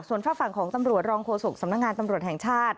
ส่วนฝากฝั่งของตำรวจรองโฆษกสำนักงานตำรวจแห่งชาติ